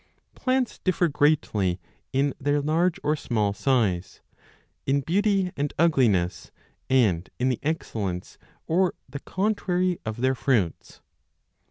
Plants differ 35 greatly in their large or small size, in beauty and ugliness, and in the excellence, or the contrary, of their fruits.